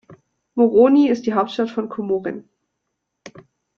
Moroni ist die Hauptstadt von Komoren.